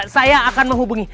saya akan menghubungi